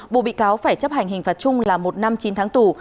bộ bị cáo phải chấp hành hình phạt chung là một năm chín tháng tù